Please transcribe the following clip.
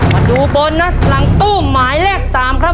มาดูโบนัสหลังตู้หมายเลข๓ครับ